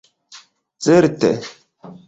Certe!